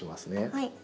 はい。